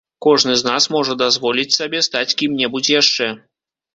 Кожны з нас можа дазволіць сабе стаць кім-небудзь яшчэ.